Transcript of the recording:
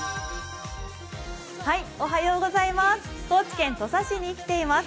高知県土佐市に来ています。